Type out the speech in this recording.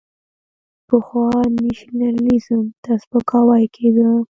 پخوا نېشنلېزم ته سپکاوی کېده.